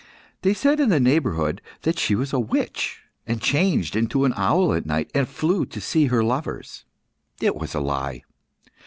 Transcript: They said in the neighbourhood that she was a witch, and changed into an owl at night, and flew to see her lovers. It was a lie.